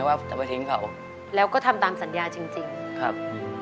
ว่าจะไปทิ้งเขาแล้วก็ทำตามสัญญาจริงจริงครับ